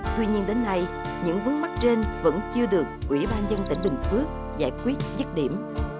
tuy nhiên đến nay những vấn mắc trên vẫn chưa được quỹ ba nhân tỉnh bình phước giải quyết chất điểm